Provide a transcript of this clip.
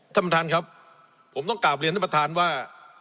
ท่านประธานครับผมต้องกลับเรียนท่านประธานว่า